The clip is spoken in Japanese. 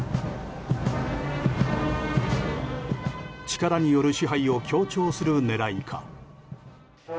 力による支配を強調する狙いか。